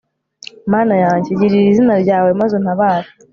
mana yanjye, girira izina ryawe maze untabare